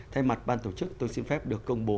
thay mặt ban tổ chức tôi xin phép được công bố